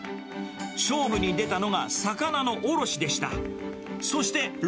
勝負に出たのが、魚の卸でした。